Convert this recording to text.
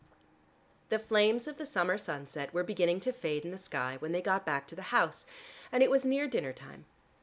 The flames of the summer sunset were beginning to fade in the sky when they got back to the house, and it was near dinner time.